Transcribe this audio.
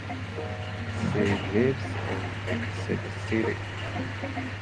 She lives in Mexico City.